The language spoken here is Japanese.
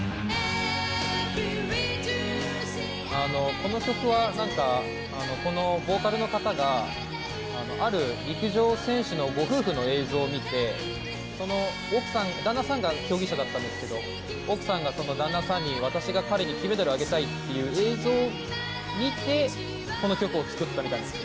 この曲はなんか、このボーカルの方が、ある陸上選手のご夫婦の映像を見て、その旦那さんが競技者だったんですけど、奥さんがその旦那さんに、私が彼に金メダルをあげたいっていう映像を見て、この曲を作ったみたいなんですよ。